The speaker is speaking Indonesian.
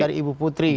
dari ibu putri